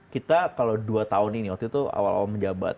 kita kalau dua tahun ini waktu itu awal awal menjabat